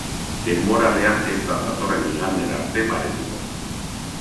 Denboralea ez da datorren igandera arte baretuko.